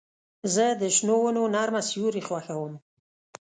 زه د شنو ونو نرمه سیوري خوښوم.